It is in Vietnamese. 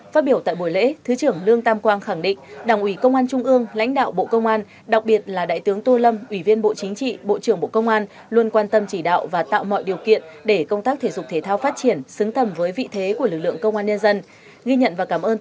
phát biểu tại buổi lễ thứ trưởng lương tam quang khẳng định đảng ủy công an trung ương lãnh đạo bộ công an đặc biệt là đại tướng tô lâm ủy viên bộ chính trị bộ trưởng bộ công an luôn quan tâm chỉ đạo và tạo mọi điều kiện để công tác thể dục thể thao phát triển xứng tầm với vị thế của lực lượng công an nhân dân